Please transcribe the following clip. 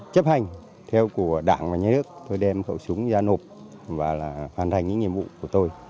chấp hành theo của đảng và nhà nước tôi đem khẩu súng ra nộp và hoàn thành nhiệm vụ của tôi